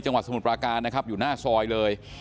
จังหวัดสมุทรประการนะครับอยู่หน้าซอยเลย